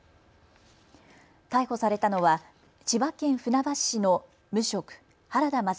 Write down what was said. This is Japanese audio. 逮捕されたのは千葉県船橋市の無職、原田勝